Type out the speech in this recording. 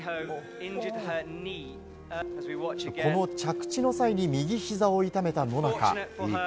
この着地の際に右ひざを痛めた野中。